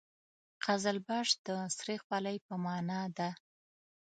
قزلباش د سرې خولۍ په معنا ده.